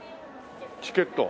チケット。